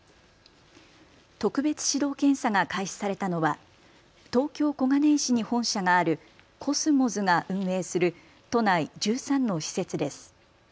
特別指導検査が開始されたのは東京小金井市に本社があるコスモズが運営する都内１３の施設です。